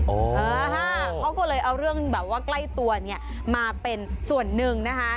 เออเขาก็เลยเอาเรื่องแบบว่าใกล้ตัวเนี่ยมาเป็นส่วนหนึ่งนะคะ